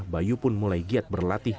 bayu pun mulai giat berlatih